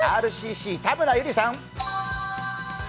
ＲＣＣ、田村友里さん。